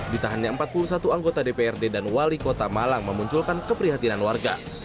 ditahannya empat puluh satu anggota dprd dan wali kota malang memunculkan keprihatinan warga